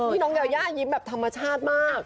นี่น้องยายายิ้มแบบธรรมชาติมาก